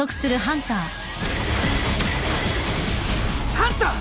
ハンター！